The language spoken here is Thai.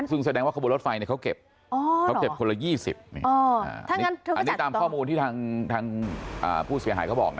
ซึ่งแสดงว่าขบวนรถไฟเขาเก็บเขาเก็บคนละ๒๐อันนี้ตามข้อมูลที่ทางผู้เสียหายเขาบอกนะ